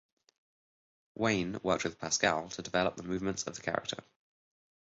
Wayne worked with Pascal to develop the movements of the character.